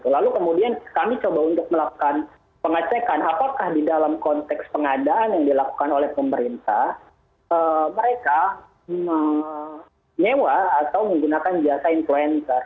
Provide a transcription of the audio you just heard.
lalu kemudian kami coba untuk melakukan pengecekan apakah di dalam konteks pengadaan yang dilakukan oleh pemerintah mereka menyewa atau menggunakan jasa influencer